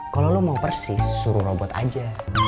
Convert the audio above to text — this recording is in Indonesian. kalo lu mau persis suruh robot aja